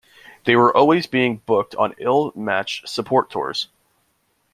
They were always being booked on ill-matched support tours.